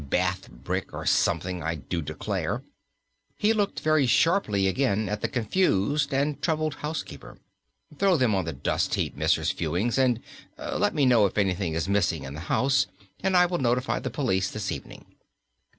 "Bath brick, or something, I do declare." He looked very sharply again at the confused and troubled housekeeper. "Throw them on the dust heap, Mrs. Fewings, and and let me know if anything is missing in the house, and I will notify the police this evening."